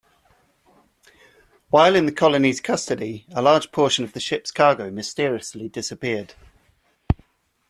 While in the colony's custody, a large portion of the ship's cargo mysteriously disappeared.